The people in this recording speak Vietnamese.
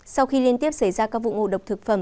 sau khi liên tiếp xảy ra các vụ ngộ độc thực phẩm